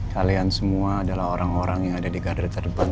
kalian semua adalah orang orang yang ada di garda terdepan